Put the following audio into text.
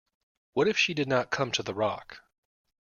What if she did not come to the rock.